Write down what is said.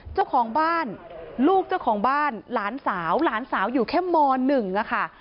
เจ้าของบ้านลูกเจ้าของบ้านหลานสาวหลานสาวอยู่แค่ม๑ค่ะ